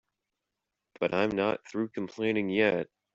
But I'm not through complaining yet.